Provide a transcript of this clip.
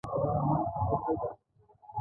مخکې مو وویل چې له سل میلیونو پانګې وېش څنګه دی